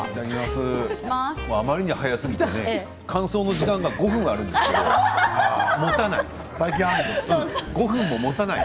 あまりに早すぎて感想の時間が５分あるんですけれど、もたない。